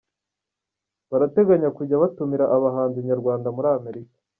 Barateganya kujya batumira abahanzi nyarwanda muri Amerika.